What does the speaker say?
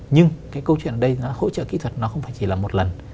nhưng câu chuyện ở đây hỗ trợ kỹ thuật không phải chỉ là một lần